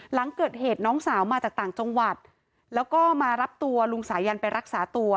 หลังเกิดเหตุน้องสาวมาจากต่างจังหวัดแล้วก็มารับตัวลุงสายันไปรักษาตัว